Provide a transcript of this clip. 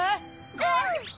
うん。